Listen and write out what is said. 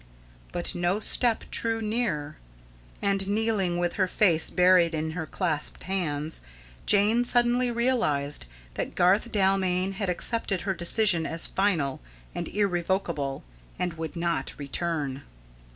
But no step drew near, and, kneeling with her face buried in her clasped hands, Jane suddenly realised that Garth Dalmain had accepted her decision as final and irrevocable, and would not return.